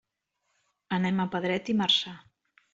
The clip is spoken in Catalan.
Anem a Pedret i Marzà.